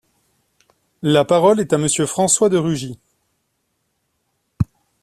La parole est à Monsieur François de Rugy.